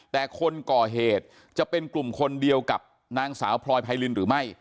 แต่คนก่อเหตุจะเป็นกลุ่มคนเดียวกับนางสาวพลอยไพรินหรือไม่